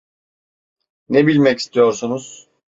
Ne bilmek istiyorsunuz?